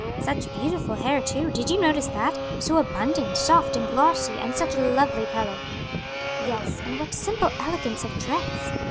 "Such beautiful hair too; did you notice that? so abundant, soft and glossy, and such a lovely color." "Yes, and what simple elegance of dress."